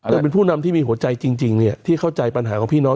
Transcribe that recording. เป็นผู้นำที่มีหัวใจจริงที่เข้าใจปัญหาของพี่น้อง